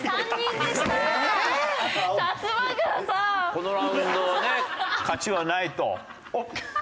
このラウンドね勝ちはないと。